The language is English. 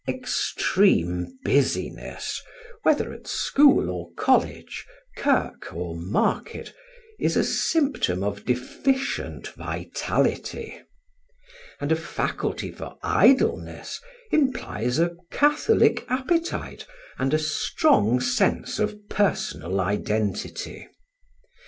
Extreme busyness, whether at school or college, kirk or market, is a symptom of deficient vitality; and a faculty for idleness implies a catholic appetite and a strong sense of personal identity.